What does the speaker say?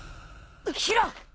宙！